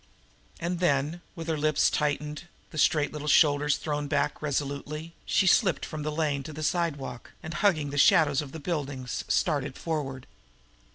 And then, with her lips tightened, the straight little shoulders thrown resolutely back, she slipped from the lane to the sidewalk, and, hugging the shadows of the buildings, started forward.